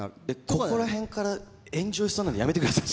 ここら辺から炎上しそうなのでやめてください。